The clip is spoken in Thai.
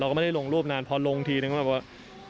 ก็ไม่ได้ลงรูปนานพอลงทีนึงก็แบบว่า